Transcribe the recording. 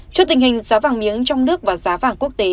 trước tình hình giá vàng miếng trong nước và giá vàng quốc tế